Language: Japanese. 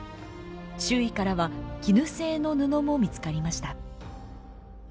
周囲からは絹製の布も見つかりました。